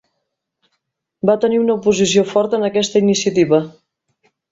Va tenir una oposició forta en aquesta iniciativa.